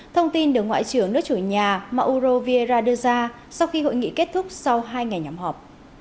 thông tin được ngoại trưởng nước chủ nhà mauro vieira đưa ra sau khi hội nghị kết thúc sau hai ngày nhóm họp